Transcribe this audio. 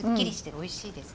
おいしいですね。